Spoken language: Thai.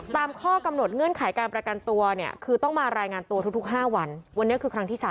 แต่พูดนิดหนึ่งข้ามีที่หลังตึกของพี่